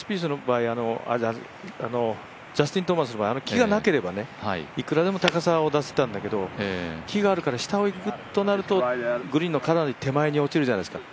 ジャスティン・トーマスの場合、木がなければ、いくらでも高さを出せたんだけど、木があるから下をいくってなるとグリーンのかなり手前に落ちるじゃないですか。